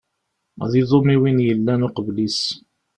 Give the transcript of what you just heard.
Ad iḍum i win yellan uqbel-is.